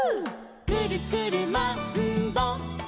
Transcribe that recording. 「くるくるマンボ」